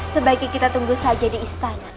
sebaiknya kita tunggu saja di istana